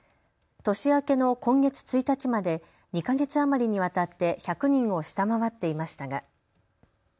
年明けの今月１日まで２か月余りにわたって１００人を下回っていましたが。